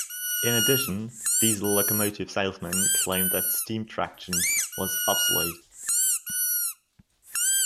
In addition, diesel locomotive salesmen claimed that steam traction was obsolete.